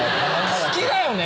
好きだね。